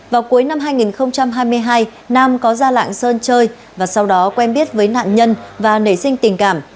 vào cuối năm hai nghìn hai mươi hai nam có ra lạng sơn chơi và sau đó quen biết với nạn nhân và nể sinh tình cảm